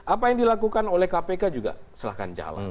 apa yang dilakukan oleh kpk juga silahkan jalan